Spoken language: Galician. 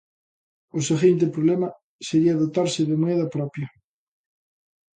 O seguinte problema sería dotarse de moeda propia.